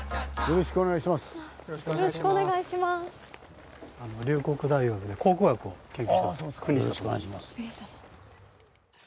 よろしくお願いします。